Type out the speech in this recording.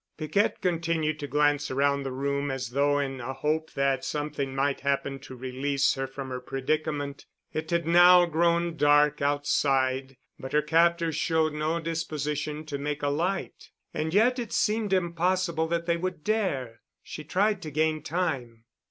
Piquette continued to glance around the room as though in a hope that something might happen to release her from her predicament. It had now grown dark outside, but her captors showed no disposition to make a light. And yet it seemed impossible that they would dare... She tried to gain time.